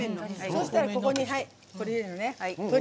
そしたら、ここに鶏。